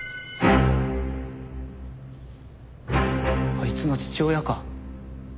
あいつの父親か？